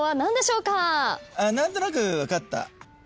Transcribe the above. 何となく分かった。